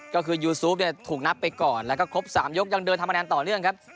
ก็คือยูซูปเนี่ยถูกนับไปก่อนแล้วก็ครบ๓ยกยังเดินทำคะแนนต่อเนื่องครับ